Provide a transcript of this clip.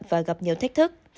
và gặp nhiều thách thức